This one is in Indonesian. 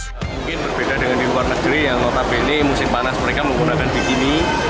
mungkin berbeda dengan di luar negeri yang notabene musim panas mereka menggunakan bikini